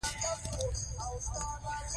د قلمرو ډولونه دوه دي.